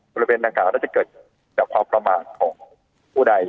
บริเวณหนังข่าวจะเกิดจากพระอัปรมาติของผู้ใด